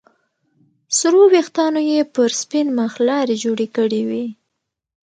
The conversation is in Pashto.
سرو ويښتانو يې پر سپين مخ لارې جوړې کړې وې.